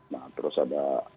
nah terus ada